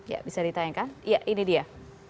ya bisa ditayangkan ya ini dia